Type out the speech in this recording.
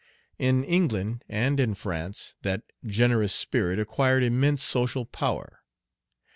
In England and in France that generous spirit acquired immense social power.